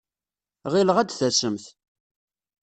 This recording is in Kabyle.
Ɣileɣ ad d-tasemt.